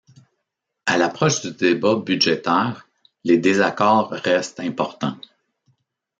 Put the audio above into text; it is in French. A l'approche du débat budgétaire, les désaccords restent importants.